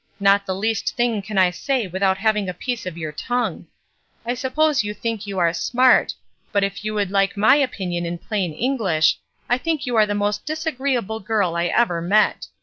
Not the least thing can I say without having a piece of your tongue. I suppose you think you are smart; but if you would hke my opinion in plain Eng lish, I think you are the most disagreeable girl I ever met.